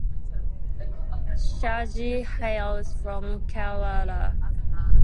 Shaji hails from Kerala.